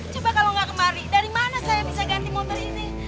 coba kalau nggak kemari dari mana saya bisa ganti motor ini